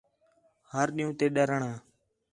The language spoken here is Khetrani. ہر ݙِین٘ہوں تے ݙرݨ آ